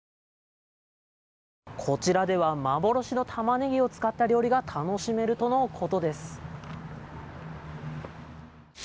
こちらでは幻のタマネギを使った料理が楽しめるとのことです。